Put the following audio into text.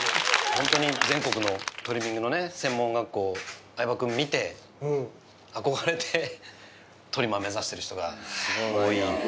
本当に全国のトリミングの専門学校、相葉君見て、憧れて、トリマー目指している人が多いって。